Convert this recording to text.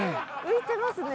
浮いてますね。